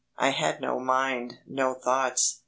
I had no mind, no thoughts.